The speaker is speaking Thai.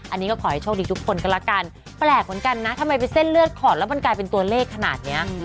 อันนี้ก็ขอให้โชคดีทุกคนก็ละกันแปลกเหมือนกันนะทำไมไปเส้นเลือดขอดแล้วมันกลายเป็นตัวเลขขนาดเนี้ย